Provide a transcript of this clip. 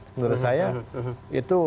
menurut saya itu